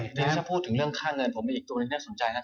อืมและถ้าพูดถึงเรื่องข้าวเงินผมมีนะตัวนั้นค่ะทั้งสนใจนะ